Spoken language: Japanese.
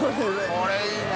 これいいね。